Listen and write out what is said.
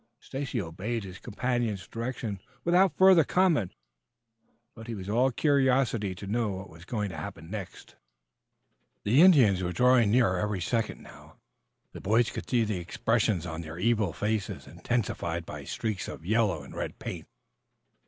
Stacy obeyed his companion's directions without further comment, but he was all curiosity to know what was going to happen next. The Indians were drawing nearer every second now. The boys could see the expressions on their evil faces, intensified by the streaks of yellow and red paint.